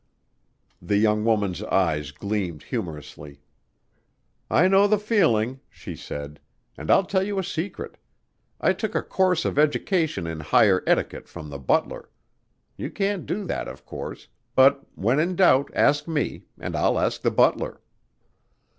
The young woman's eyes gleamed humorously. "I know the feeling," she said, "and I'll tell you a secret. I took a course of education in higher etiquette from the butler. You can't do that, of course, but when in doubt ask me and I'll ask the butler."